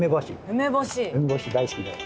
梅干し大好きで。